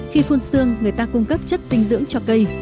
khi phun xương người ta cung cấp chất dinh dưỡng cho cây